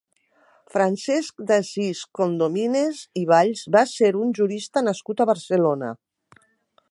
Francesc d'Asís Condomines i Valls va ser un jurista nascut a Barcelona.